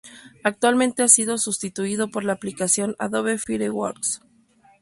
Actualmente ha sido sustituido por la aplicación Adobe Fireworks.